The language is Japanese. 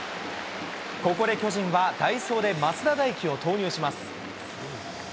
ここで巨人は代走で増田大輝を投入します。